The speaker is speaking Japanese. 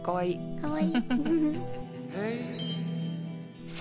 かわいい！